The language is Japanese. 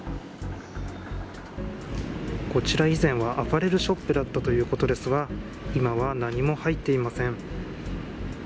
こちら、以前はアパレルショップだったということですが、今は何も入っていません。